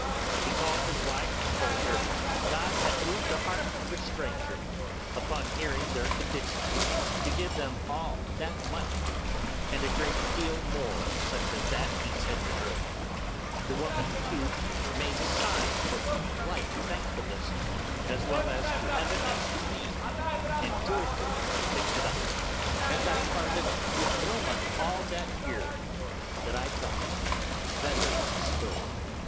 He called his wife, and told her God had moved the heart of a stranger, upon hearing their condition, to give them all that money, and a great deal more such as that he said to her. The woman, too, made signs of the like thankfulness, as well to Heaven as to me, and joyfully picked it up; and I parted with no money all that year that I thought better bestowed.